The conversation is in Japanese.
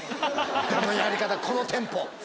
このやり方このテンポ。